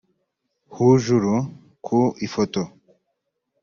Hujuru ku ifoto